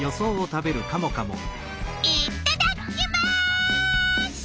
いっただっきます！